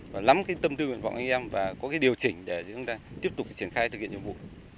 và lắm cái tâm tư nguyện vọng của anh em và có cái điều chỉnh để chúng ta tiếp tục triển khai thực hiện nhiệm vụ